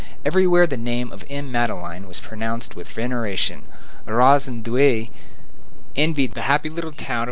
Everywhere the name of M. Madeleine was pronounced with veneration. Arras and Douai envied the happy little town of M.